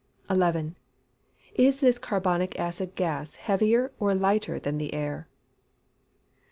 11. _Is this carbonic acid gas heavier or lighter than the air?